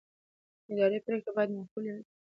اداري پرېکړې باید معقولې وي.